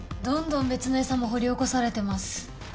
どんどん別の餌も掘り起こされてます。